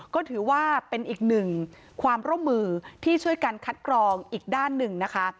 ก็ถือว่าเป็นอีกหนึ่งความร่วมมือที่ช่วยกันคัดกรองอีกด้านหนึ่งนะคะ